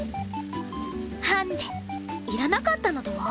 ハンデいらなかったのでは？